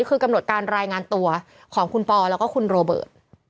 คือกำหนดการรายงานตัวของคุณปอแล้วก็คุณโรเบิร์ต